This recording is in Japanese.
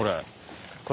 これ。